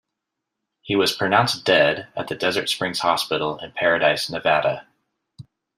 He was pronounced dead at the Desert Springs Hospital in Paradise, Nevada.